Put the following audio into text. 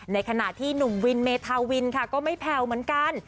ในขณะที่หนุ่มวินเมธาวินค่ะก็ไม่แผ่วเหมือนกัน